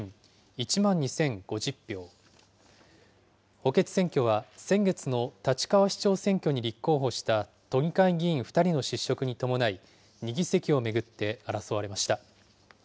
補欠選挙は、先月の立川市長選挙に立候補した都議会議員２人の失職に伴い、２議席を巡って争われました。